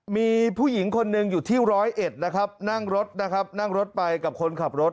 มีผู้หญิงคนหนึ่งอยู่ที่ร้อยเอ็ดนั่งรถกับคนขับรถ